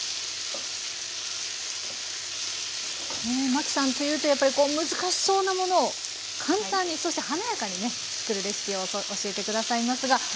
マキさんというとやっぱり難しそうなものを簡単にそして華やかにね作るレシピを教えて下さいますが。